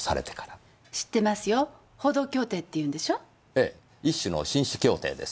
ええ一種の紳士協定です。